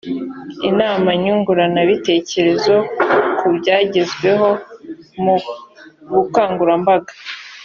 inama nyuguranabitekerezo ku byagezweho mu bukangurambaga